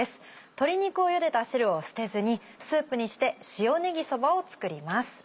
鶏肉をゆでた汁を捨てずにスープにして「塩ねぎそば」を作ります。